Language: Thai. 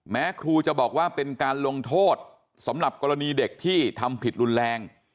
แม้ครูจะบอกว่าเป็นการลงโทษสำหรับกรณีเด็กที่ทำผิดรุนแรง